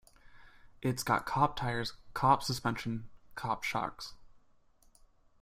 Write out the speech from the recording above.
It's got cop tires, cop suspension, cop shocks.